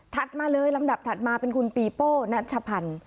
มาเลยลำดับถัดมาเป็นคุณปีโป้นัชพันธ์